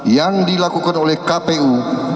yang dilakukan oleh kpu